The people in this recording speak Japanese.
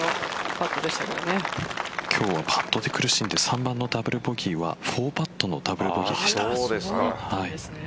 今日はパットで苦しんで３番のダブルボギーは４パットのダブルボギーでした。